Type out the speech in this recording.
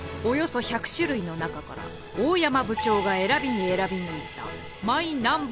およそ１００種類の中から大山部長が選びに選び抜いたマイ